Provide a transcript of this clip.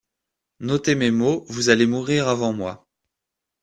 Notez mes mots, vous allez mourir avant moi.